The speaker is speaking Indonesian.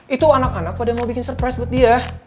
itu anak anak pada mau bikin surprise buat dia